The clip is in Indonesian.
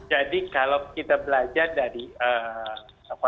apa apa yang bisa kita pelajari dari mereka